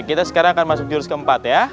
kita sekarang akan masuk jurus keempat ya